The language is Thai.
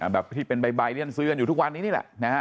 แบบที่เป็นใบที่ท่านซื้อกันอยู่ทุกวันนี้นี่แหละ